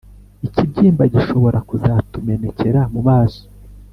ikibyimba gishobora kuzatumenekera mu maso.